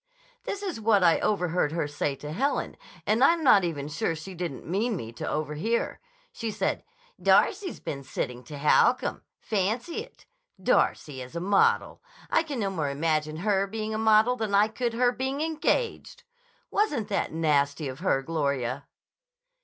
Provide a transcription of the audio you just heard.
"This is what I overheard her say to Helen, and I'm not even sure she didn't mean me to overhear. She said, 'Darcy's been sitting to Holcomb. Fancy it! Darcy as a model! I can no more imagine her being a model than I could her being engaged.' Wasn't that nasty of her, Gloria!"